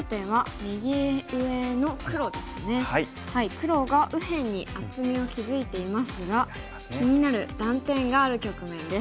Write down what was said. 黒が右辺に厚みを築いていますが気になる断点がある局面です。